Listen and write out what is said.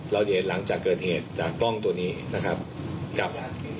เรียนหลังจากเกิดเหตุจากกล้องตัวนี้นะครับกับ